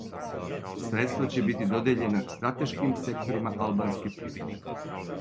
Средства ће бити додељена стратешким секторима албанске привреде.